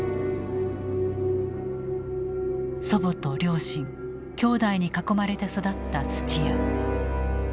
祖母と両親兄弟に囲まれて育った土屋。